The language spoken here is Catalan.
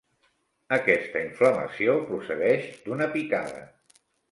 Aquesta inflamació procedeix d'una picada.